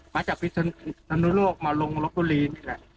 มาจากพิสธนรวงมาลงลบตัวรีเอ่ย